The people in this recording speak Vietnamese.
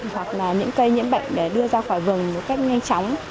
hoặc là những cây nhiễm bệnh để đưa ra khỏi vùng một cách nhanh chóng